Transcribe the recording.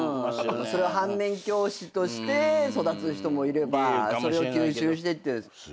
それを反面教師として育つ人もいればそれを吸収してっていう。